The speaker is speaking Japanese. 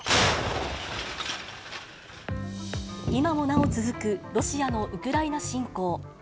今もなお続くロシアのウクライナ侵攻。